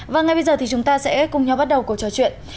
và ngay bây giờ thì chúng ta sẽ cùng nhau bắt đầu cuộc trò chuyện